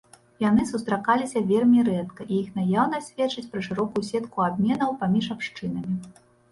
Яны сустракаліся вельмі рэдка, і іх наяўнасць сведчыць пра шырокую сетку абменаў паміж абшчынамі.